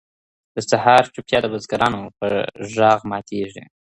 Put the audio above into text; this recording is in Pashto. د سهار چوپتیا د بزګرانو په غږ ماتېږي.